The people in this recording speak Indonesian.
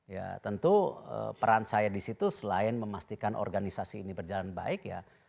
ya tentu peran saya di situ selain memastikan organisasi ini berjalan baik ya